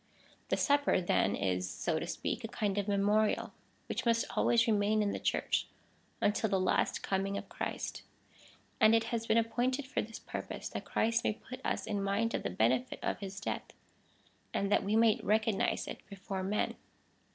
The Supj)er then is (so to speak) a kind of memorial, which must always remain in the Church, until the last coming of Christ ; and it has been appointed for this purpose, that Christ may put us in mind of the benefit of his death, and that we may recognise it^ before men.